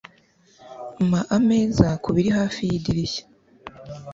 Mpa ameza kubiri hafi yidirishya.